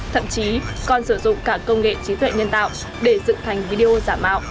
thậm chí còn sử dụng cả công nghệ trí tuệ nhân tạo để dựng thành video giả mạo